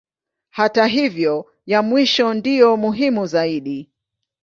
Hata hivyo ya mwisho ndiyo muhimu zaidi.